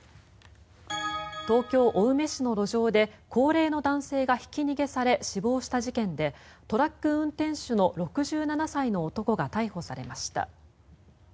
東京・青梅市の路上で高齢の男性がひき逃げされ死亡した事件でトラック運転手の６７歳の男が逮捕されました。